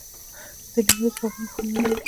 د نیمروز باغونه خرما لري.